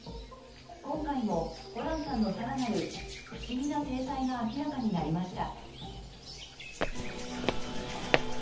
今回もホランさんの更なるフシギな生態が明らかになりました。